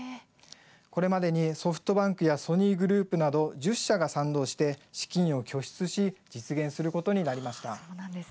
これまでにソフトバンクやソニーグループなど１０社が賛同して資金を拠出し実現することになりました。